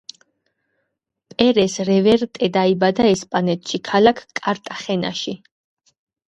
პერეს–რევერტე დაიბადა ესპანეთში, ქალაქ კარტახენაში.